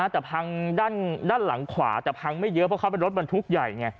แต่พังด้านหลังขวาแต่พังไม่เยอะเพราะเขาเป็นรถบรรทุกใหญ่ไง